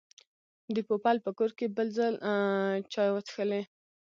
د پوپل په کور کې بل ځل چای وڅښلې.